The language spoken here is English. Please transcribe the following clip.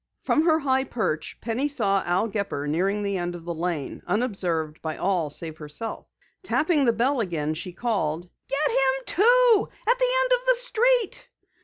From her high perch, Penny saw Al Gepper nearing the end of the Lane, unobserved by all save herself. Tapping the bell again, she called: "Get him, too! At the end of the street!"